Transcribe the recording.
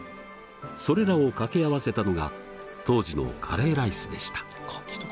それらを掛け合わせたのが当時のカレーライスでした。